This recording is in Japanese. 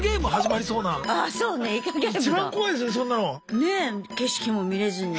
ねえ景色も見れずに。